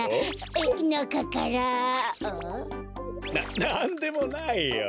ななんでもないよ。